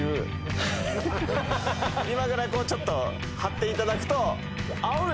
今ぐらいちょっと張っていただくと。